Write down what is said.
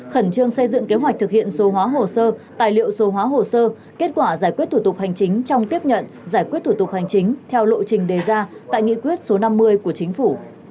khẩn trương xây dựng kế hoạch thực hiện số hóa hồ sơ tài liệu số hóa hồ sơ kết quả giải quyết thủ tục hành chính trong tiếp nhận giải quyết thủ tục hành chính theo lộ trình đề ra tại nghị quyết số năm mươi của chính phủ